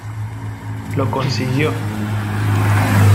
Lo consiguió.